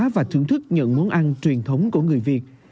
và thưởng thức những món ăn truyền thống của người việt